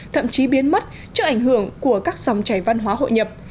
thậm chí biến mất trước ảnh hưởng của các dòng chảy văn hóa hội nhập